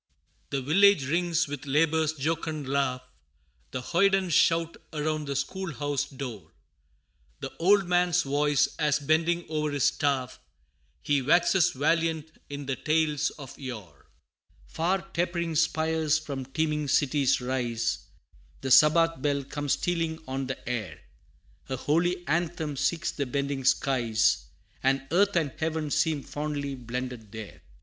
The village rings with labor's jocund laugh, The hoyden shout around the school house door, The old man's voice, as bending o'er his staff, He waxes valiant in the tales of yore: Far tapering spires from teeming cities rise, The sabbath bell comes stealing on the air, A holy anthem seeks the bending skies, And earth and heaven seem fondly blended there!